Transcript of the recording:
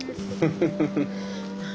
フフフフッ。